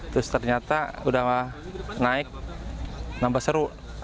terus ternyata udah naik nambah seru